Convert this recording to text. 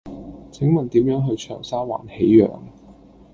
請問點樣去長沙灣喜漾